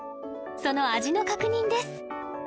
その味の確認です